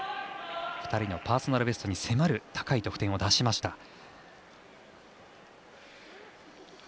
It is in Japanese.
２人のパーソナルベストに迫る高い得点を出しました。